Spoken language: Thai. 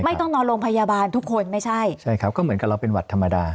ไม่ต้องนอนโรงพยาบาลทุกคนไม่ใช่ก็เหมือนกับเราเป็นหวัดธรรมดา